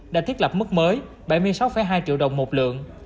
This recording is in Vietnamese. đã thiết lập mức mới bảy mươi sáu hai triệu đồng một lượng